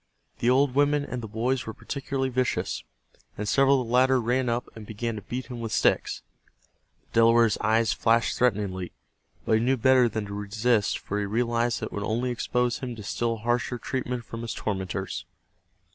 The old women and the boys were particularly vicious, and several of the latter ran up and began to beat him with sticks. The Delaware's eyes flashed threateningly, but he knew better than to resist for he realized that it would only expose him to still harsher treatment from his tormentors.